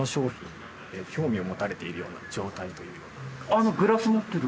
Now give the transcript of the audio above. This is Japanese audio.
あのグラス持ってる。